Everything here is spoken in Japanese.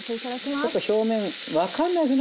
ちょっと表面分かんないっすよね